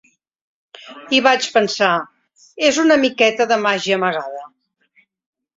I vaig pensar, és una miqueta de màgia amagada.